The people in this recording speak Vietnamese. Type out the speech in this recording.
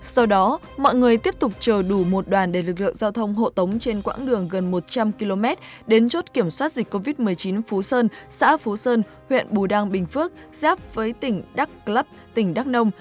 sau đó mọi người tiếp tục chờ đủ một đoàn để lực lượng giao thông hộ tống trên quãng đường gần một trăm linh km đến chốt kiểm soát dịch covid một mươi chín phú sơn xã phú sơn huyện bù đăng bình phước giáp với tỉnh đắk lắc tỉnh đắk nông